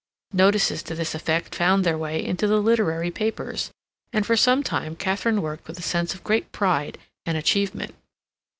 Notices to this effect found their way into the literary papers, and for some time Katharine worked with a sense of great pride and achievement.